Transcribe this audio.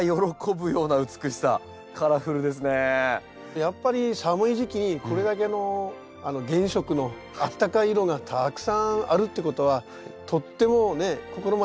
やっぱり寒い時期にこれだけの原色のあったかい色がたくさんあるってことはとってもね心まであったかくなりますよね。